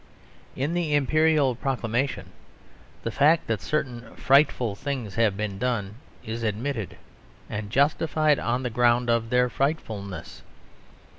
In the Imperial proclamation the fact that certain "frightful" things have been done is admitted; and justified on the ground of their frightfulness.